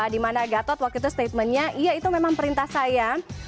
di mana gatot waktu itu statementnya iya itu memang perintah saya